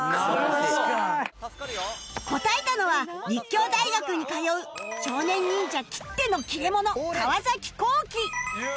答えたのは立教大学に通う少年忍者きっての切れ者川皇輝